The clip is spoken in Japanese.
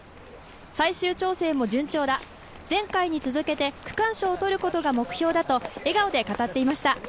最終調整も順調だ、前回に続けて区間賞を取ることが目標だと笑顔で語っていました。